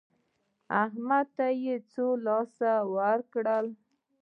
احمد ته يې څو لاس سره ورکړل؟